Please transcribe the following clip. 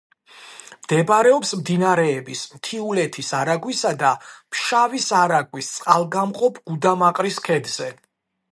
მდებარეობს მდინარეების მთიულეთის არაგვისა და ფშავის არაგვის წყალგამყოფ გუდამაყრის ქედზე.